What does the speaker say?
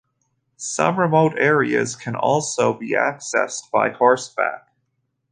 Some remote areas can also be accessed by horseback.